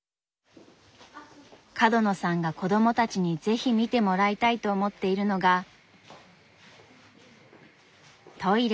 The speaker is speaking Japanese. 角野さんが子供たちに是非見てもらいたいと思っているのがトイレ。